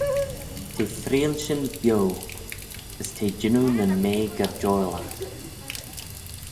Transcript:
T'eh freayll shin bio, as t'eh jannoo nyn mea gerjoilagh.